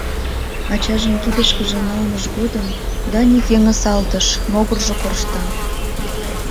Ачажын кидышкыже налмыж годым Даник йыҥысалтыш, могыржо коршта.